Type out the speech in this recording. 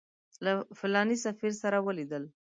له فلاني سفیر سره ولیدل.